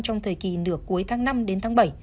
trong thời kỳ nửa cuối tháng năm đến tháng bảy